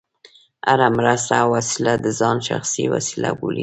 هره مرسته او وسیله د ځان شخصي وسیله بولي.